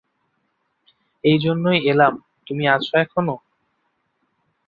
এই জন্যই এলাম, তুমি আছ এখনো?